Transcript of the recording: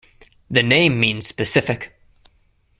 The name means Pacific.